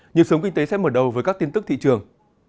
nhịp sống kinh tế sẽ mở đầu với các tin tức thị trường